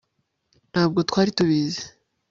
ntabwo twari tubizi